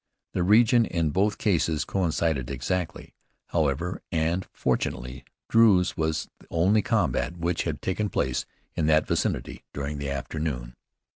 The region in both cases coincided exactly, however, and, fortunately, Drew's was the only combat which had taken place in that vicinity during the afternoon.